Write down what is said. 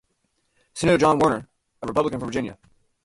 Senator John Warner, a Republican from Virginia.